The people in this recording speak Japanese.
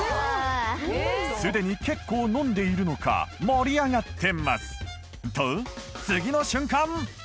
すでに結構飲んでいるのか盛り上がってますと次の瞬間